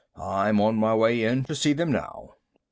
I'm on my way in to see them now."